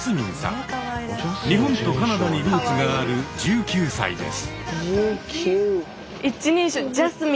日本とカナダにルーツがある１９歳です。